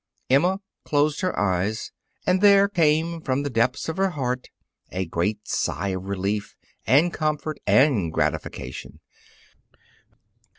Emma closed her eyes and there came from the depths of her heart a great sigh of relief, and comfort and gratification.